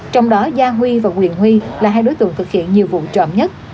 trong đó gia huy và nguyệt huy là hai đối tượng thực hiện nhiều vụ trộm nhất